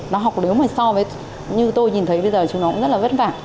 nó học nếu mà so với như tôi nhìn thấy bây giờ chúng nó cũng rất là vất vả